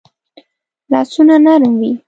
لاسونه نرم وي